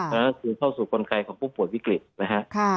แล้วก็คือเข้าสู่กรณไขของผู้ป่วยวิกฤตินะครับ